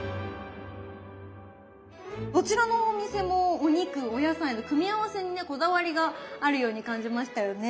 どちらのお店もお肉お野菜の組み合わせにねこだわりがあるように感じましたよね。